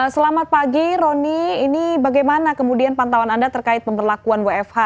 selamat pagi roni ini bagaimana kemudian pantauan anda terkait pemberlakuan wfh